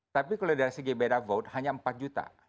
tapi kalau dari segi beda vote hanya empat juta